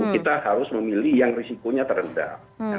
kita harus memilih yang risikonya terendah